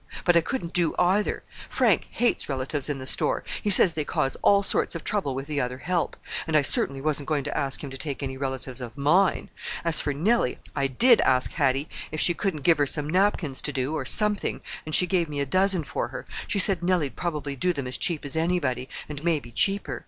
But I couldn't do either. Frank hates relatives in the store; he says they cause all sorts of trouble with the other help; and I certainly wasn't going to ask him to take any relatives of mine. As for Nellie—I did ask Hattie if she couldn't give her some napkins to do, or something, and she gave me a dozen for her—she said Nellie'd probably do them as cheap as anybody, and maybe cheaper.